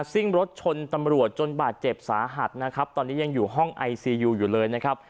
ซิ่งรถชนตำรวจจนบาดเจ็บสาหัสนะครับตอนนี้ยังอยู่ห้องไอซียูอยู่เลยนะครับ